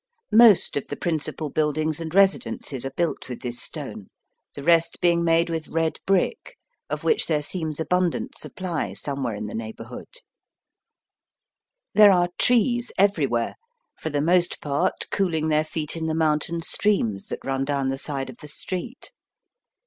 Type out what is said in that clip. Most of the principal buildings and residences are built with this stone, the rest being made with red Digitized by VjOOQIC 68 EAST BY WEST. brick, of which there seems abundant supply somewhere in the neighbourhood. ' There are trees everywhere, for the most part cooHng their feet in the mountain streams that run down the side of the street.